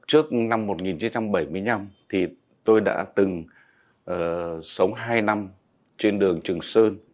trước năm một nghìn chín trăm bảy mươi năm thì tôi đã từng sống hai năm trên đường trường sơn